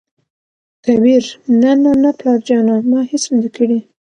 کبير : نه نه نه پلاره جانه ! ما هېڅ نه دى کړي.